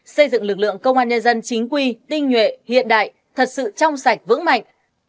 xây dựng lực lượng công an nhân dân chính quy tinh nhuệ hiện đại thật sự trong sạch vững mạnh